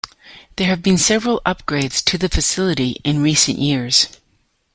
There have been several upgrades to the facility in recent years.